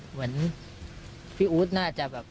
เหมือนพี่อู๊ดน่าจะแบบ